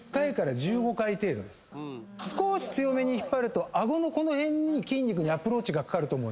少ーし強めに引っ張ると顎のこの辺に筋肉にアプローチかかる。